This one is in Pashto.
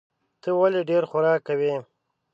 ته ولي ډېر خوراک کوې؟